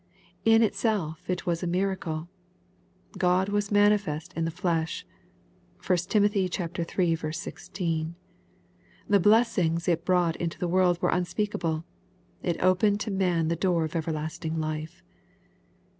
In itself it was a miracle :—" God was manifest in the flesh.'' (1 Tim. iii. 16) The blessings it brought into the world were unspeakable :— ^it opened to man the door of everlasting life.